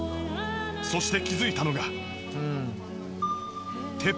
そして気づいたのが。